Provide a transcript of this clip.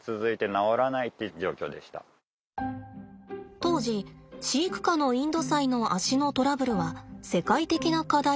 当時飼育下のインドサイの足のトラブルは世界的な課題でした。